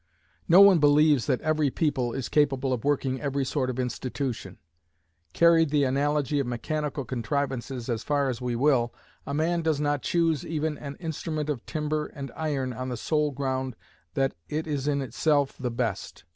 No one believes that every people is capable of working every sort of institution. Carry the analogy of mechanical contrivances as far as we will, a man does not choose even an instrument of timber and iron on the sole ground that it is in itself the best.